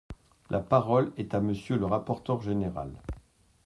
La parole est à Monsieur le rapporteur général.